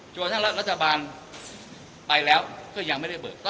กระทั่งรัฐบาลไปแล้วก็ยังไม่ได้เบิก